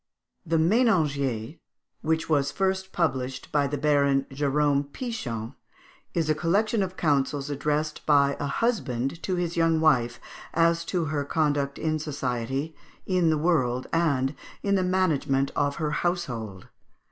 The "Ménagier," which was first published by the Baron Jérôme Pichon, is a collection of counsels addressed by a husband to his young wife, as to her conduct in society, in the world, and in the management of her household.